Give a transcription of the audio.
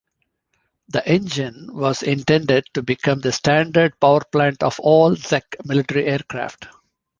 The engine was intended to become the standard powerplant of all Czech military aircraft.